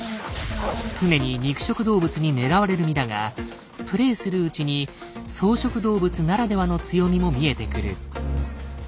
常に肉食動物に狙われる身だがプレイするうちに草食動物ならではの強みも見えてくる。